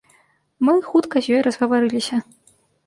Мы хутка з ёй разгаварыліся.